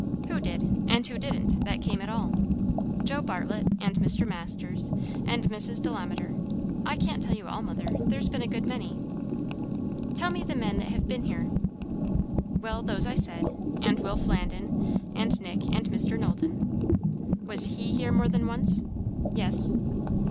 "Who did? and who didn't? that came at all." "Joe Bartlett and Mr. Masters and Mrs. Delamater, I can't tell you all, mother; there's been a good many." "Tell me the men that have been here. "Well, those I said; and Will Flandin, and Nick, and Mr. Knowlton." "Was he here more than once?" "Yes."